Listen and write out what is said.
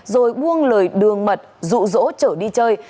rồi buông lời đường mật rụ rỗ trở đi chơi